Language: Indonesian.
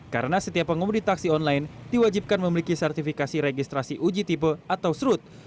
karena setiap pengumum di taksi online diwajibkan memiliki sertifikasi registrasi uji tipe atau srut